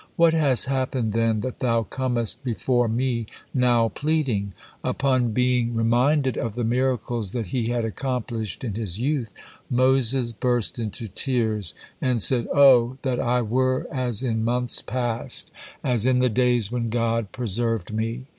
What has happened, then, that thou comest before me now pleading?" Upon being reminded of the miracles that he had accomplished in his youth, Moses burst into tears and said, "Oh, that I were as in months past, as in the days when God preserved me!"